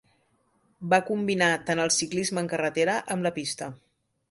Va combinar tant el ciclisme en carretera amb la pista.